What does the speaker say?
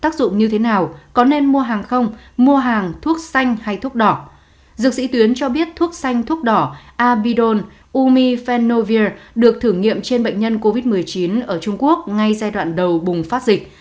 chuyên gia y tế cho biết thuốc xanh thuốc đỏ abidol umifenovir được thử nghiệm trên bệnh nhân covid một mươi chín ở trung quốc ngay giai đoạn đầu bùng phát dịch